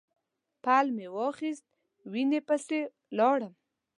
پل مې واخیست وینې پسې لاړم.